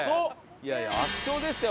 いやいや圧勝でしたよ